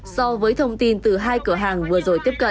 so với thông tin từ hai cửa hàng vừa rồi tiếp cận